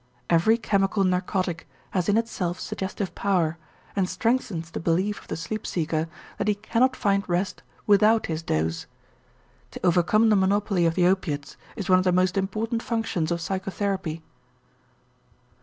Every chemical narcotic has in itself suggestive power and strengthens the belief of the sleep seeker that he cannot find rest without his dose. To overcome the monopoly of the opiates is one of the most important functions of psychotherapy.